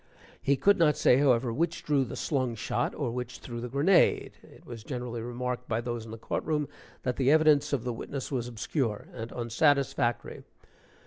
He could not say, however, which drew the slung shot or which threw the grenade. (It was generally remarked by those in the court room, that the evidence of the witness was obscure and unsatisfactory.